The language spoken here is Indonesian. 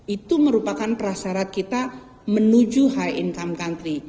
itu merupakan prasarat kita menuju high income country